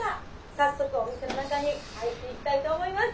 早速お店の中に入っていきたいと思います。